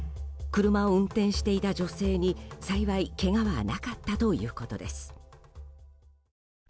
車を運転していた女性に幸い、けがはなかったということです。